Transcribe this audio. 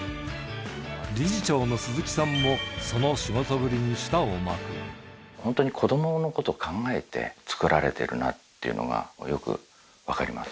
理事長の鈴木さんも、その仕事ぶ本当に子どものことを考えて作られているなっていうのが、よく分かります。